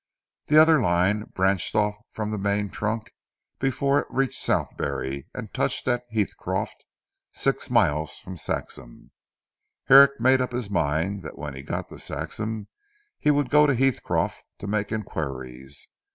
The other line branched off from the main trunk, before it reached Southberry and touched at Heathcroft, six miles from Saxham. Herrick made up his mind that when he got to Saxham, he would go to Heathcroft to make inquiries.